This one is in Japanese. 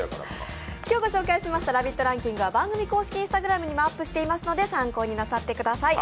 今日ご紹介したラヴィットランキングは番組公式Ｉｎｓｔａｇｒａｍにもアップしていますので、参考になさってください。